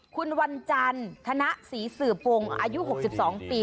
คุณวันจันทนศรีสืบวงอายุ๖๒ปี